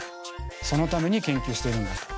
そのために研究してるんだと。